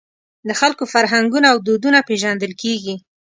د خلکو فرهنګونه او دودونه پېژندل کېږي.